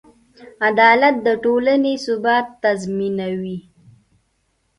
عدالت د ټولنې ثبات تضمینوي.